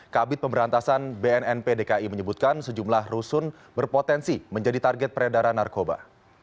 kabit pemberantasan bnnp dki menyebutkan sejumlah rusun berpotensi menjadi target peredaran narkoba